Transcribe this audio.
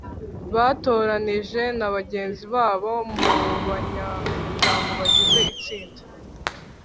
batoranijwe na bagenzi babo mu banyamuryango bagize itsinda